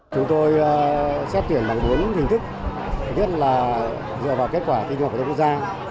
chúng tôi xét tuyển bằng bốn hình thức nhất là dựa vào kết quả thi trung học phổ thông quốc gia